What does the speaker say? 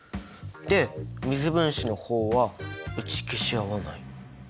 で水分子の方は打ち消し合わない？